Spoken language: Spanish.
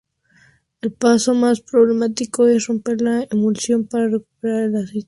El paso más problemático es romper la emulsión para recuperar el aceite.